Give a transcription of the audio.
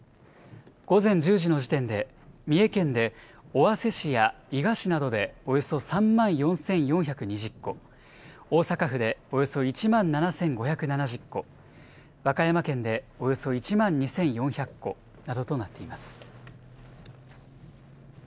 午前１０時の時点で、三重県で尾鷲市や伊賀市などでおよそ３万４４２０戸、大阪府でおよそ１万７５７０戸、和歌山県でおよそ１万２４００戸などとなっています。